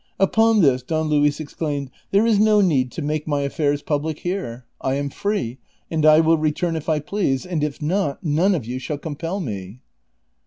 Upon this Don Luis exclaimed, " There is no need to make my affairs public here ; I am free, and I will return if I please ; and if not, none of you shall compel me."